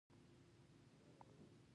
خو هغه وويل اسلام څنگه.